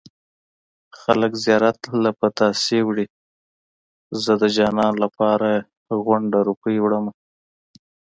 خلک زيارت له پتاسې وړي زه د جانان لپاره غونډه روپۍ وړمه